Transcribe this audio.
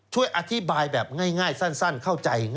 ช่วยอธิบายแบบง่ายสั้นเข้าใจ